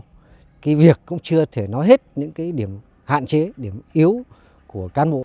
cái việc cũng chưa thể nói hết những cái điểm hạn chế điểm yếu của cán bộ